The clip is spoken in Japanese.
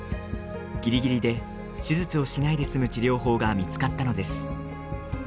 ぎりぎりで手術をしないで済む治療法が見つかったのです。